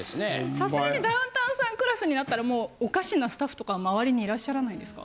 さすがにダウンタウンさんクラスになったらもうおかしなスタッフとかは周りにいらっしゃらないですか？